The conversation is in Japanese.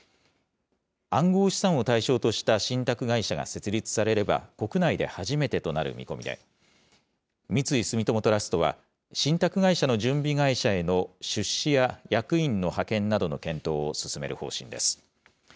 暗号資産を対象とした信託会社が設立されれば、国内で初めてとなる見込みで、三井住友トラストは、信託会社の準備会社への出資や、役員の派遣などの検討を進める方針です。